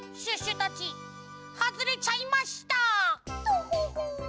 トホホ！